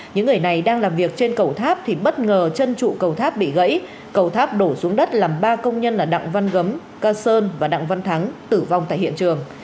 những người này đang làm việc trên cầu tháp thì bất ngờ chân trụ cầu tháp bị gãy cầu tháp đổ xuống đất làm ba công nhân là đặng văn gấm ca sơn và đặng văn thắng tử vong tại hiện trường